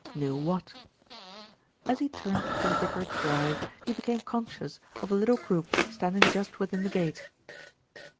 Knew what? As he turned into the vicarage drive, he became con scious of a little group standing just within the gate.